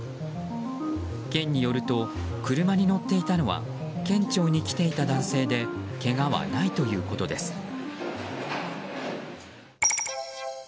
県によると、車に乗っていたのは県庁に来ていた男性でけがはないということです。